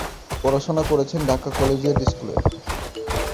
পড়াশোনা করেছেন ঢাকা কলেজিয়েট স্কুলে।